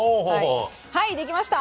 はい出来ました！